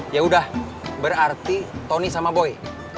yaudah berarti tony sama boy